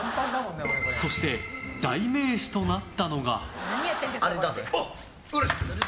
そして、代名詞となったのが。